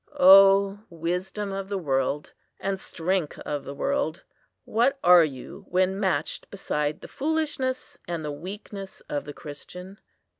O wisdom of the world! and strength of the world! what are you when matched beside the foolishness and the weakness of the Christian?